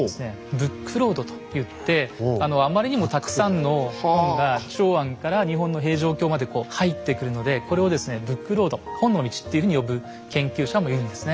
「ブックロード」と言ってあまりにもたくさんの本が長安から日本の平城京まで入ってくるのでこれをブックロード本の道っていうふうに呼ぶ研究者もいるんですね。